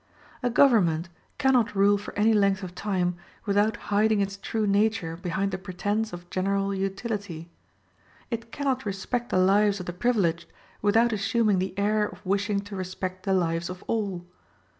A government cannot rule for any length of time without hiding its true nature behind the pretence of general utility. It cannot respect the lives of the privileged without assuming the air of wishing to respect the lives of all.